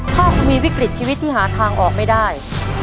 ถ้าคุณมีวิกฤตชีวิตที่หาทางออกไม่ได้